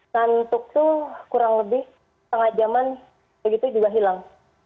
ngantuk itu kurang lebih setengah jaman begitu juga hilang